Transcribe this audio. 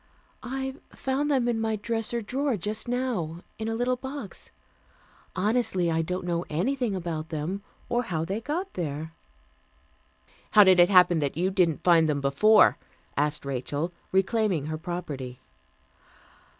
"I found them in my dresser drawer just now, in a little box. Honestly, I don't know anything about them, or how they got there." "How did it happen that you didn't find them before?" asked Rachel, reclaiming her property.